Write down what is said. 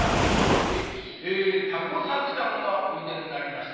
「ええ田吾作さんがおいでになりました」。